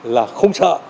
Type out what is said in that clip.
là không sợ